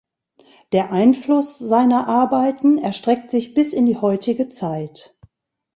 Der Einfluss seiner Arbeiten erstreckt sich bis in die heutige Zeit.